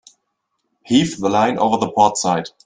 Heave the line over the port side.